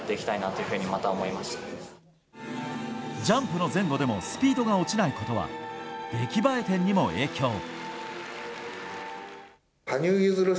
ジャンプの前後でもスピードが落ちないことは出来栄え点にも影響。